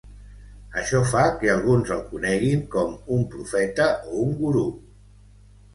Això fa que alguns el coneguin com un profeta o un gurú.